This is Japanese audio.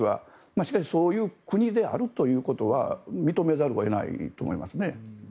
しかしそういう国であるということは認めざるを得ないと思いますね。